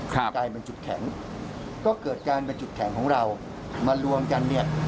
กลายเป็นจุดแข็งก็เกิดการเป็นจุดแข็งของเรามารวมกันเนี่ย